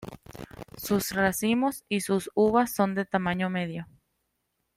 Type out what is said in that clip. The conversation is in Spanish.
Sus racimos y sus uvas son de tamaño medio.